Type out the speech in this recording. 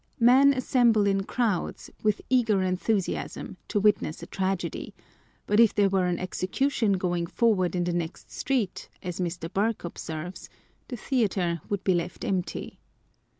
Men assemble in crowds, with eager enthusiasm, to witness a tragedy : but if there were an execution going forward in the next street, as Mr. Burke observes, the theatre would be left empty.